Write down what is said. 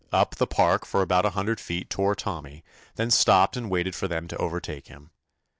Up the park for about a hundred feet tore Tommy, then stopped and waited for them to overtake him.